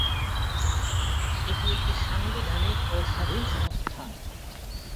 এটি একটি সাংবিধানিক ও স্বাধীন সংস্থা।